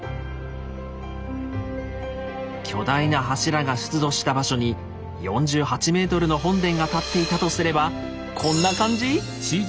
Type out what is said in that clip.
巨大な柱が出土した場所に４８ｍの本殿が立っていたとすればこんな感じ？